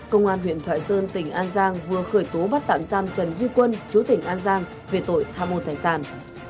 công an huyện thoại sơn tỉnh an giang vừa khởi tố bắt tạm giam trần duy quân chú tỉnh an giang về tội tham mô tài sản